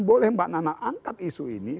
boleh mbak nana angkat isu ini